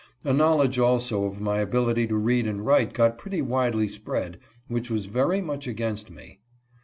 A knowledge also of my ability to read and write got pretty widely spread, which was very much against me.